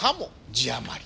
字余り。